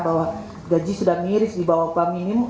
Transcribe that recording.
bahwa gaji sudah miris di bawah upah minim